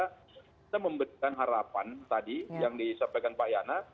kita memberikan harapan tadi yang disampaikan pak yana